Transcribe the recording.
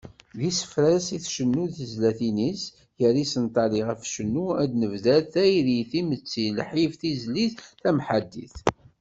D isefra-s i icennu di tezlatin-is, gar yisental iɣef icennu ad nebder: Tayri, timetti, lḥif, tizlit tamḥaddit.